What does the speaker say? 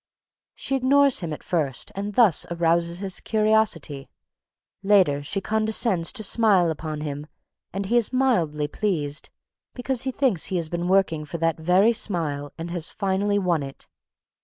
She ignores him at first and thus arouses his curiosity. Later, she condescends to smile upon him and he is mildly pleased, because he thinks he has been working for that very smile and has finally won it.